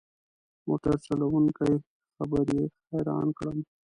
موټر چلوونکي خبرې حیران کړم.